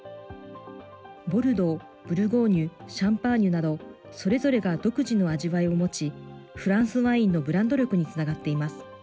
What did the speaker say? ボルドー、ブルゴーニュ、シャンパーニュなど、それぞれが独自の味わいを持ち、フランスワインのブランド力につながっています。